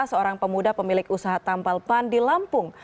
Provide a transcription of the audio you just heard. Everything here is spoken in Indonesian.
seorang pemuda pemilik usaha tambal pan di lampung